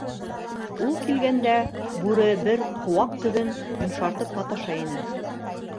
Ул килгәндә, Бүре бер ҡыуаҡ төбөн йомшартып маташа ине.